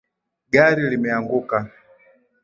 Gari limeanguka